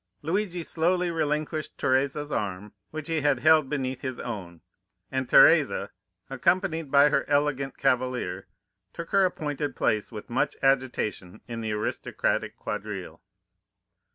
Luigi slowly relinquished Teresa's arm, which he had held beneath his own, and Teresa, accompanied by her elegant cavalier, took her appointed place with much agitation in the aristocratic quadrille.